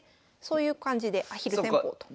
そういう感じでアヒル戦法と。